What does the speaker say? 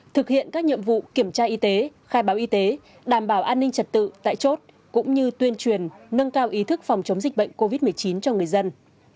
thực hiện các nhiệm vụ kiểm tra y tế khai báo y tế đảm bảo an ninh trật tự tại chốt cũng như tuyên truyền nâng cao ý thức phòng chống dịch bệnh covid một mươi chín cho người dân